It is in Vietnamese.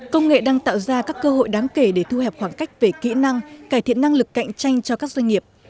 công nghệ đang tạo ra các cơ hội đáng kể để thu hẹp khoảng cách về kỹ năng cải thiện năng lực cạnh tranh cho các doanh nghiệp